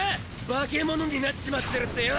化け物になっちまってるってよ